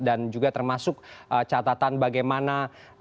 dan juga termasuk catatan bagaimana